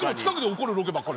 近くで怒るロケ。